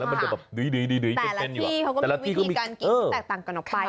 มันจะแบบดีแต่ละที่เขาก็มีวิธีการกินที่แตกต่างกันออกไป